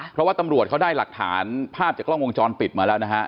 เพราะว่าตำรวจเขาได้หลักฐานภาพจากกล้องวงจรปิดมาแล้วนะฮะ